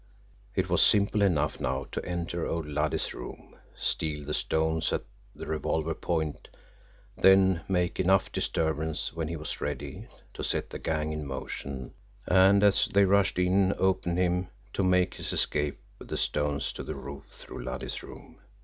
It was simple enough now to enter old Luddy's room, steal the stones at the revolver point, then make enough disturbance when he was ready to set the gang in motion, and, as they rushed in open him, to make his escape with the stones to the roof through Luddy's room.